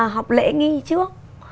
học lễ nghi trước